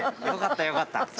よかったよかった。